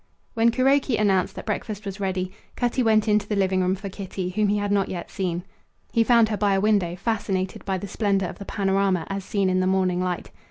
When Kuroki announced that breakfast was ready, Cutty went into the living room for Kitty, whom he had not yet seen. He found her by a window fascinated by the splendour of the panorama as seen in the morning light.